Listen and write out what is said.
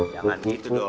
jangan gitu dong